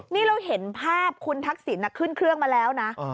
นี่เราเห็นภาพคุณทักษิณขึ้นเครื่องมาแล้วนะ